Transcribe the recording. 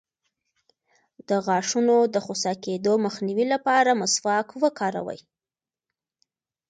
د غاښونو د خوسا کیدو مخنیوي لپاره مسواک وکاروئ